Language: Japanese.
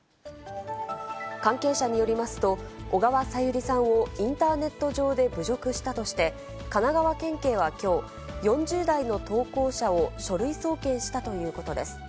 関係者によりますと、小川さゆりさんをインターネット上で侮辱したとして、神奈川県警はきょう、４０代の投稿者を書類送検したということです。